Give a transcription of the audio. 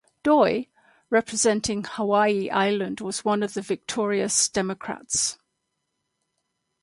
Doi, representing Hawaii Island, was one of the victorious Democrats.